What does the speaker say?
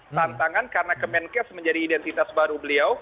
tantangan karena kemenkes menjadi identitas baru beliau